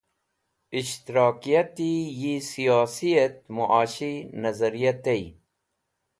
Ishtirakiati yi Siyosi et Muashi Nazarya tey.